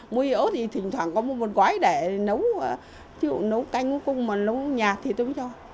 mối y ốt thì thỉnh thoảng có một quái để nấu canh cung mà nấu nhạt thì tôi mới cho